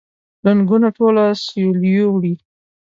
رنګونه ټوله سیلیو وړي